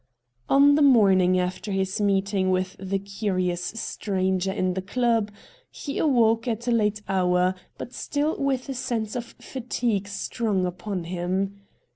On the morning after his meeting with the curious stranger in the club, he awoke at a late hour, but still with a sense of fatigue strong upon him.